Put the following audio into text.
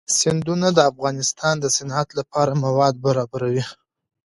سیندونه د افغانستان د صنعت لپاره مواد برابروي.